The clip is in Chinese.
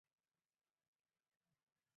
圣帕普。